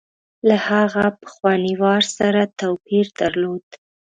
له هغه پخواني وار سره توپیر درلود.